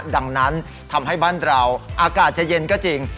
ดังนั้นทำให้บ้านเราอากาศจะเย็นก็จริง